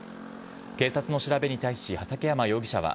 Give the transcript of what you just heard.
警察の調べに対し畠山容疑者は、